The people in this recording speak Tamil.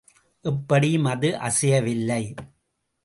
எப்படியும் அது அசையவில்லை.